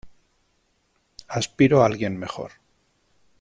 Aspiro a alguien mejor.